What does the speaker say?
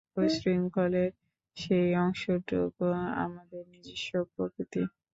ঐ শৃঙ্খলের সেই অংশটুকু আমাদের নিজস্ব প্রকৃতি।